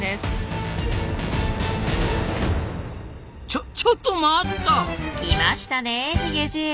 ちょちょっと待った！来ましたねヒゲじい。